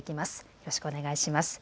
よろしくお願いします。